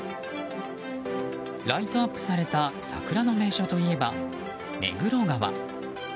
ライトアップされた桜の名所といえば目黒川。